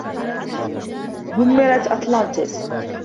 دُمِّرَتْ اطلانتس.